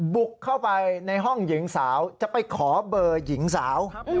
บุกเข้าไปในห้องหญิงสาวจะไปขอเบอร์หญิงสาว